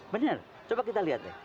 benar coba kita lihat deh